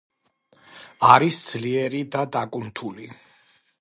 არის ძლიერი და დაკუნთული.